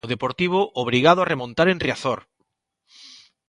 O Deportivo obrigado a remontar en Riazor.